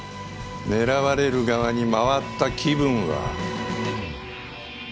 狙われる側に回った気分は。